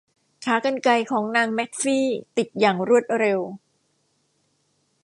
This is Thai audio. ขากรรไกรของนางแมคฟี ติดอย่างรวดเร็ว